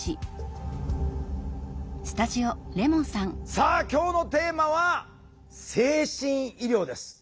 さあ今日のテーマは「精神医療」です。